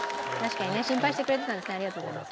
心配してくれてたんですねありがとうございます。